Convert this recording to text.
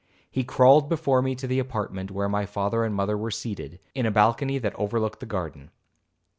He crawled before me to the apartment where my father and mother were seated, in a balcony that overlooked the garden.